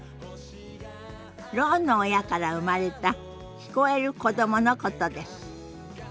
ろうの親から生まれた聞こえる子どものことです。